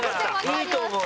いいと思う。